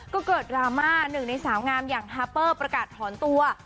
ก็เกิดดราม่าหนึ่งในสาวงามอย่างฮาเปอร์ประกาศถอนตัว